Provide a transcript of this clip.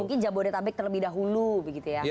mungkin jabodetabek terlebih dahulu begitu ya